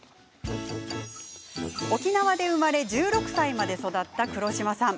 沖縄で生まれ１６歳まで育った黒島さん。